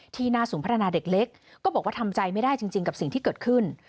หน้าศูนย์พัฒนาเด็กเล็กก็บอกว่าทำใจไม่ได้จริงกับสิ่งที่เกิดขึ้น